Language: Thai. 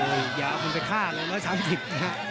โอ้โหอย่าเอามันไปฆ่าเลย๑๓๐ครับ